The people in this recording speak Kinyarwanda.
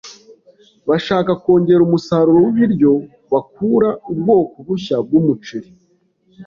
Bashaka kongera umusaruro wibiryo bakura ubwoko bushya bwumuceri.